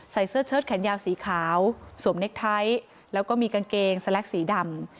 เสื้อเชิดแขนยาวสีขาวสวมเน็กไทท์แล้วก็มีกางเกงสแล็กสีดำ